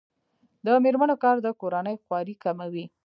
د میرمنو کار د کورنۍ خوارۍ کموي.